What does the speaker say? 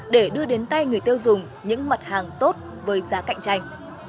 để đưa đến tay người tiêu dùng những mặt hàng tốt với giá cạnh tranh